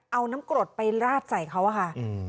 เอาน้ำกรดไปลาดใส่เขาค่ะอืม